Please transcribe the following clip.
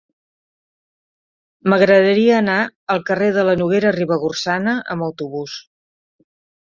M'agradaria anar al carrer de la Noguera Ribagorçana amb autobús.